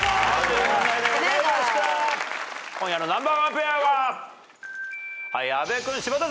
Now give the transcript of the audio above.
今夜のナンバーワンペアは。